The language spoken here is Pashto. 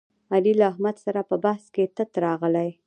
علي له احمد سره په بحث کې تت راغلی.